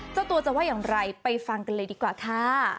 เจ้าตัวจะว่าอย่างไรไปฟังกันเลยดีกว่าค่ะ